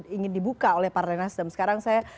ingin dibuka oleh partai nasdem sekarang saya